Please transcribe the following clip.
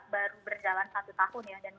baru berjalan satu tahun ya